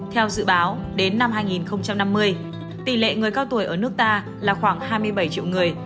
theo dự báo đến năm hai nghìn năm mươi tỷ lệ người cao tuổi ở nước ta là khoảng hai mươi bảy triệu người